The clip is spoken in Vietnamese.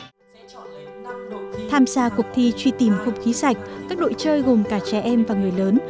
tham gia cuộc thi truy tìm không khí sạch các đội chơi gồm cả trẻ em và người lớn